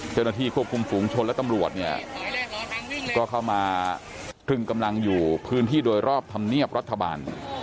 เจ้าหน้าที่ควบคุมฝูงชนและตำรวจเนี่ยก็เข้ามาตรึงกำลังอยู่พื้นที่โดยรอบธรรมเนียบรัฐบาล